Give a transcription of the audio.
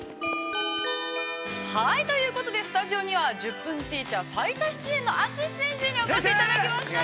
◆はい、ということで、スタジオには「１０分ティーチャー」最多出演のＡｔｓｕｓｈｉ先生にお越しいただきました。